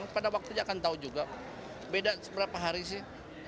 pada waktu dia akan tahu juga beda berapa hari sih